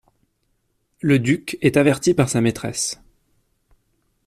Le duc est averti par sa maîtresse.